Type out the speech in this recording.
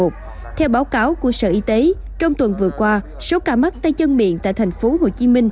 theo báo cáo của sở y tế trong tuần vừa qua số ca mắc tay chân miệng tại tp hcm